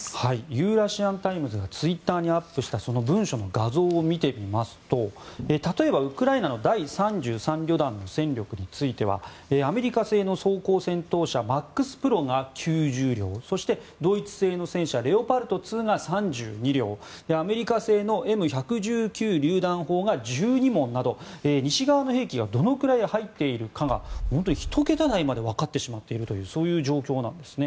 ユーラシアン・タイムズがツイッターにアップしたその文書の画像を見てみますと例えばウクライナの第３３旅団の戦力についてはアメリカ製の装甲戦闘車マックスプロが９０両そしてドイツ製の戦車レオパルトが３２両アメリカ製のＭ１１９りゅう弾砲が１２門など西側の兵器がどのくらい入っているかが本当に１桁台までわかってしまっているという状況なんです。